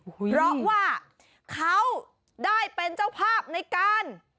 เพราะว่าเขาได้เป็นเจ้าภาพในการ